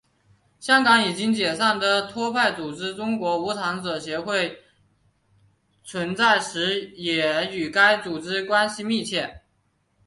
香港已解散的托派组织中国无产者协会存在时也与该组织关系密切。